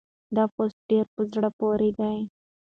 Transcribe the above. دا پوسټ ډېر په زړه پورې دی.